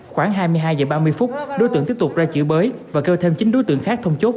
khoảng hai mươi hai h ba mươi phút đối tượng tiếp tục ra chửi bới và kêu thêm chín đối tượng khác thông chốt